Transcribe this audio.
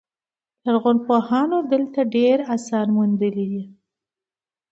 لرغونپوهانو دلته ډیر اثار موندلي